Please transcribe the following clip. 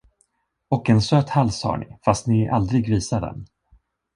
Och en söt hals har ni, fast ni aldrig visar den.